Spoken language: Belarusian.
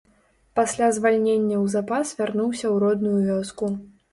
Пасля звальнення ў запас вярнуўся ў родную вёску.